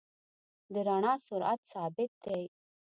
د رڼا سرعت ثابت دی.